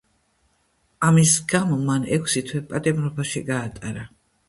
ამის გამო მან ექვსი თვე პატიმრობაში გაატარა.